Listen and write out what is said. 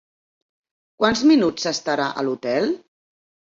Quants minuts s'estarà a l'hotel?